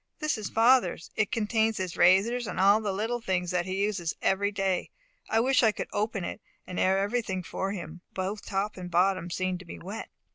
"This is father's, it contains his razors, and all the little things that he uses every day. I wish I could open it, and air everything for him; both top and bottom seem to be wet."